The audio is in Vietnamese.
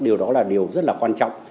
điều đó là điều rất là quan trọng